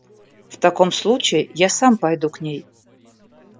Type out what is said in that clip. В таком случае я сам пойду к ней.